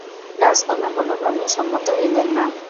রাজকন্যা কোন ক্রমেই সম্মত হইলেন না।